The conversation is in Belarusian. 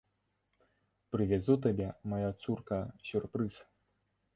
Прывязу табе, мая цурка, сюрпрыз.